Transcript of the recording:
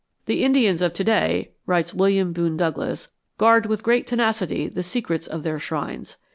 "The Indians of to day," writes William Boone Douglass, "guard with great tenacity the secrets of their shrines.